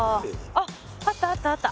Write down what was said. おっあったあったあった。